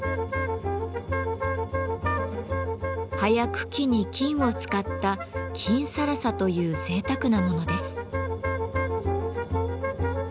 葉や茎に金を使った「金更紗」というぜいたくなものです。